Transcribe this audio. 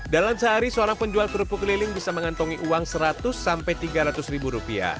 dalam sehari seorang penjual kerupuk keliling bisa mengantongi uang seratus sampai rp tiga ratus ribu rupiah